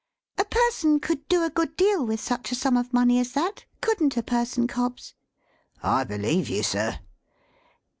"A person could do a good deal with such a sum of money as that, couldn't a person, Cobbs?" "I believe you, sir!"